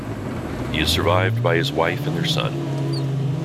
He is survived by his wife and their son.